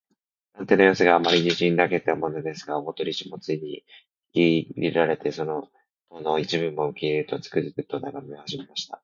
探偵のようすが、あまり自信ありげだものですから、大鳥氏もつい引きいれられて、その塔の一部分を受けとると、つくづくとながめはじめました。